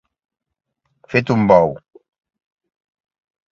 Fet un bou.